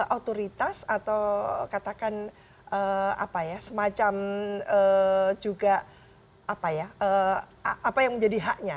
otoritas atau katakan semacam juga apa ya apa yang menjadi haknya